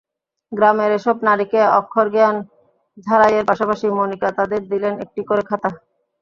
গ্রামের এসব নারীকে অক্ষরজ্ঞান ঝালাইয়ের পাশাপাশি মনিকা তাঁদের দিলেন একটি করে খাতা।